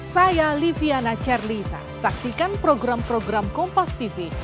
saya liviana charlisa saksikan program program kompas tv